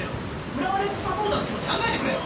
浦和レッズサポーターの気持ち考えてくれよ。